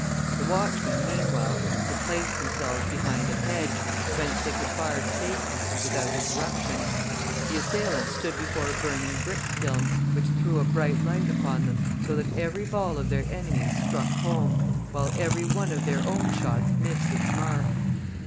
The watchmen, meanwhile, had placed themselves behind a hedge, whence they could fire safely and without interruption. The assailants stood before a burning brick kiln, which threw a bright light upon them, so that every ball of their enemies struck home, while every one of their own shots missed its mark.